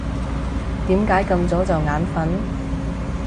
點解咁早就眼瞓？